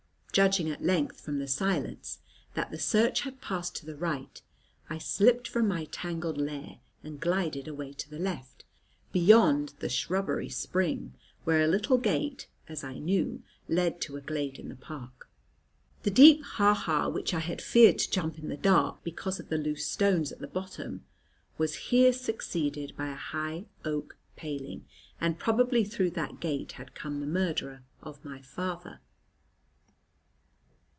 Judging at length, from the silence, that the search had passed to the right, I slipped from my tangled lair, and glided away to the left, beyond the shrubbery spring, where a little gate, as I knew, led to a glade in the park. The deep ha ha which I had feared to jump in the dark, because of the loose stones at the bottom, was here succeeded by a high oak paling, and probably through that gate had come the murderer of my father.